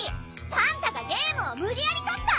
パンタがゲームをむりやりとった！